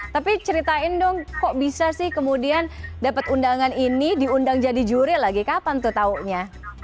tapi ceritain dong kok bisa sih kemudian dapat undangan ini diundang jadi juri lagi kapan tuh taunya